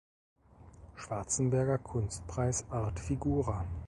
Schwarzenberger Kunstpreis art-figura.